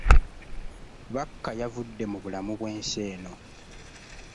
Bakka yavudde mu bulamu bw'ensi eno.